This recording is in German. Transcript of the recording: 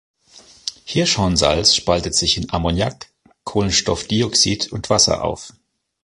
Hirschhornsalz spaltet sich in Ammoniak, Kohlenstoffdioxid und Wasser auf.